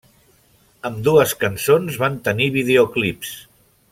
Ambdues cançons van tenir videoclips.